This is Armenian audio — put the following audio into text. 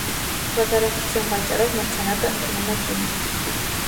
Վատառողջության պատճառով մրցանակը ընդունում է կինը։